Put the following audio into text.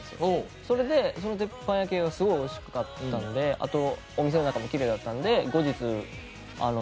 それでその鉄板焼き屋がすごいおいしかったんであとお店の中もきれいだったんで。